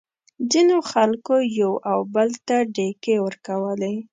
ځینو خلکو یو او بل ته ډیکې ورکولې.